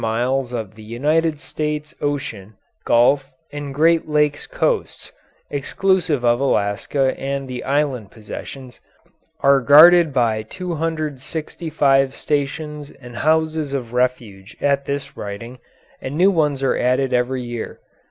] The 10,000 miles of the United States ocean, gulf, and Great Lakes coasts, exclusive of Alaska and the island possessions, are guarded by 265 stations and houses of refuge at this writing, and new ones are added every year.